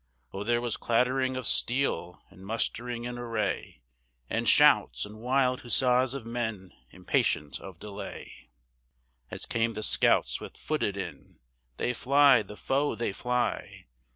O there was clattering of steel, and mustering in array, And shouts and wild huzzas of men, impatient of delay, As came the scouts swift footed in "They fly! the foe! they fly!